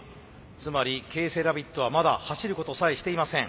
つまりＫセラビットはまだ走ることさえしていません。